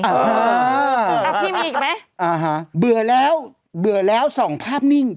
เอาพี่มีอีกไหมอ่าฮะเบื่อแล้วเบื่อแล้วส่องภาพนิ่ง